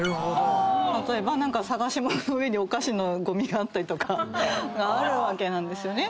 例えば何か捜し物の上にお菓子のごみがあったりとかがあるわけなんですよね。